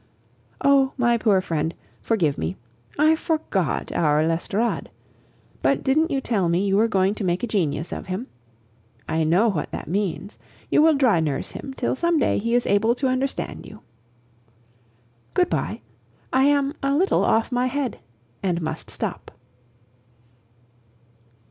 Oh! my poor friend, forgive me. I forgot our l'Estorade. But didn't you tell me you were going to make a genius of him? I know what that means. You will dry nurse him till some day he is able to understand you. Good bye. I am a little off my head, and must stop.